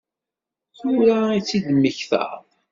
Tura i tt-id-temmektaḍ?